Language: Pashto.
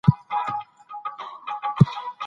د مطالعې په برخه کي باید تنوع موجوده وي.